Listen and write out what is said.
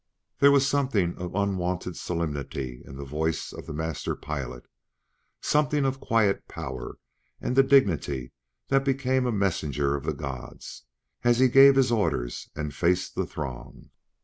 There was something of unwonted solemnity in the voice of the master pilot something of quiet power and the dignity that became a messenger of the gods as he gave his orders and faced the throng.